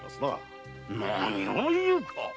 何を言うか。